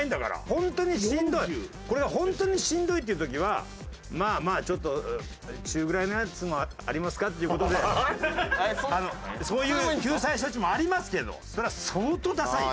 ホントにしんどいこれがホントにしんどいっていう時はまあまあ「中ぐらいのやつもありますか？」っていう事でそういう救済措置もありますけどそれは相当ダサいよ。